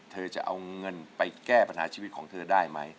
เธอจะเอาเงินไปแก้ปัญหาชีวิตของเธอได้ไหม